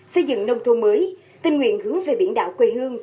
xây dựng nông thôn mới tình nguyện hướng về biển đảo quê hương